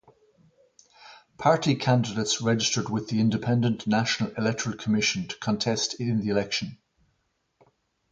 Party candidates registered with the Independent National Electoral Commission to contest in the election.